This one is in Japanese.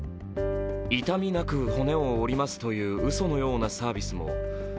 「痛みなく骨を折ります」といううそのようなサービスも１５００